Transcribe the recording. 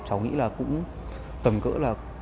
cháu nghĩ là cũng tầm cỡ là